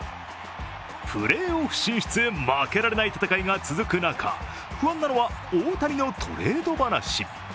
プレーオフ進出へ負けられない戦いが続く中、不安なのは大谷のトレード話。